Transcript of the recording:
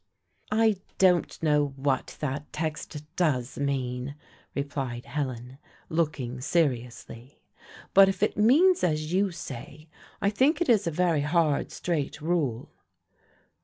"I don't know what that text does mean," replied Helen, looking seriously; "but if it means as you say, I think it is a very hard, strait rule."